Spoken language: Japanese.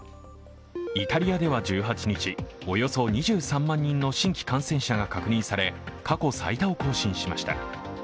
イタリアでは１８日、およそ２３万人の新規感染者が確認され、過去最多を更新しました。